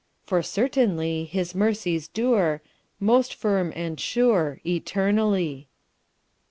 For certainly His mercies dure, Most firm and sure, Eternally."